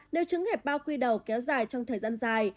điều trứng hẹp bao quy đầu kéo dài trong thời gian dài